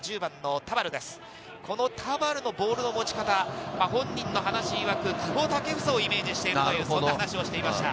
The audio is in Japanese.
田原のボールの持ち方、本人いわく、久保建英をイメージしているという話をしていました。